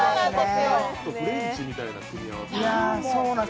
フレンチみたいな組み合わせでしたけど。